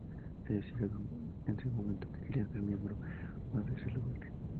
Ella dijo en ese momento que quería ser un miembro más de ese lugar.